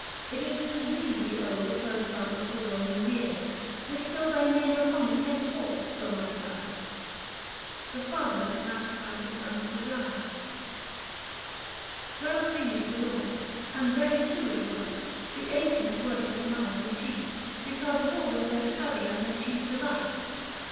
It is to thee we owe The first month of the Roman year — bestow Thy name upon it henceforth, my sire !" The father ratified the son's desire, 70 THE FASTI. Book III. Well pleased withal ; and very true it was, 85 The ancients worshipped Mars in chief, because War was their study and their chief delight.